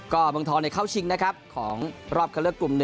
ก็เมืองทองเข้าชิงนะครับของรอบเข้าเลือกกลุ่ม๑